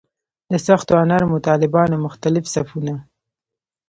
د سختو او نرمو طالبانو مختلف صفونه.